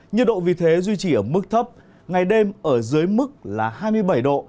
nhiệt độ vì thế duy trì ở mức thấp ngày đêm ở dưới mức là hai mươi bảy độ